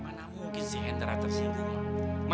mana mungkin si hendra tersinggung ma